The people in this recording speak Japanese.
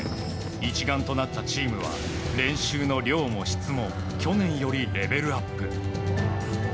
一丸となったチームは練習の量も質も去年よりレベルアップ。